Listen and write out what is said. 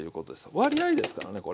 割合ですからねこれ。